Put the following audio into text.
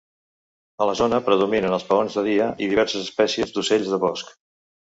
A la zona predominen els paons de dia i diverses espècies d'ocells de bosc.